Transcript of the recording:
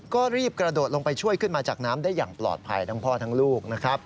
ก็รีบกระโดดลงไปช่วยขึ้นมาจากน้ำได้อย่างปลอดภัยทั้งพ่อทั้งลูกนะครับ